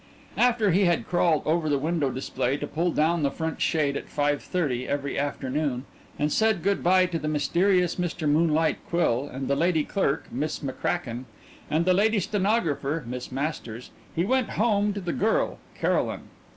After he had crawled over the window display to pull down the front shade at five thirty every afternoon, and said good bye to the mysterious Mr. Moonlight Quill and the lady clerk, Miss McCracken, and the lady stenographer, Miss Masters, he went home to the girl, Caroline.